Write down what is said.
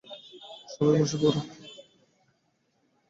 সবাই বসে পড়ো।